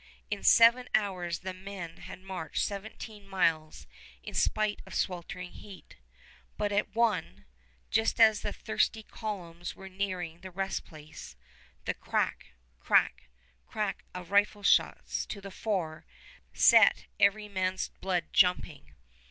In seven hours the men had marched seventeen miles spite of sweltering heat; but at one, just as the thirsty columns were nearing the rest place, the crack crack crack of rifle shots to the fore set every man's blood jumping.